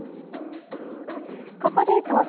ここで登場！